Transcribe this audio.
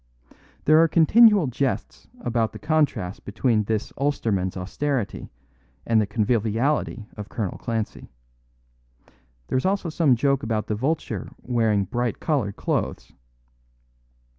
There are continual jests about the contrast between this Ulsterman's austerity and the conviviality of Colonel Clancy. There is also some joke about the Vulture wearing bright coloured clothes.